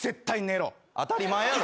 当たり前やろ。